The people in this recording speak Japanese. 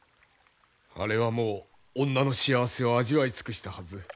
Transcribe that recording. あれはもう女の幸せを味わい尽くしたはず。